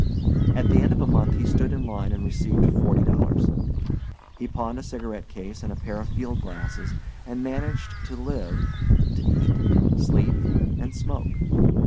At the end of a month he stood in line and received forty dollars. He pawned a cigarette case and a pair of field glasses and managed to live to eat, sleep, and smoke.